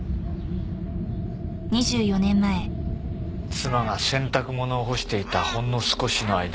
妻が洗濯物を干していたほんの少しの間に。